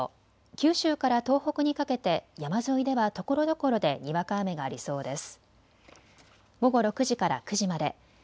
九州から東北にかけて山沿いではところどころでにわか雨がありそうです。